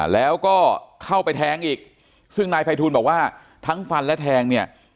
แล้วก็เข้าไปแทงอีกซึ่งนายภัยทูลบอกว่าทั้งฟันและแทงเนี่ย